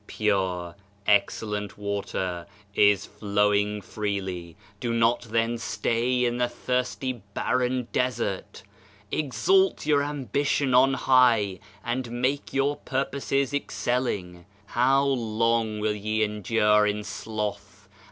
Pure, excellent Water is flowing freely; do not then stay in the thirsty barren desert! Exalt your am bition on high, and make your purposes excelling! How long will ye endure in sloth?